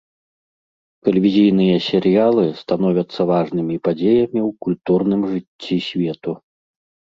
Тэлевізійныя серыялы становяцца важнымі падзеямі ў культурным жыцці свету.